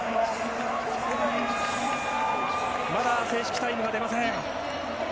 まだ正式タイムが出ません。